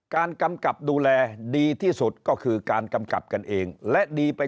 กำกับดูแลดีที่สุดก็คือการกำกับกันเองและดีไป